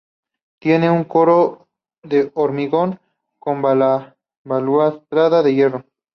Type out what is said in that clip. Tiene un coro de hormigón, con balaustrada de hierro.